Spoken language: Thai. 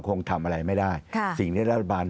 คงทำอะไรไม่ได้สิ่งที่รัฐบาล